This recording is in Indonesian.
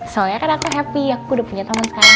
soalnya kan aku happy aku udah punya temen sekali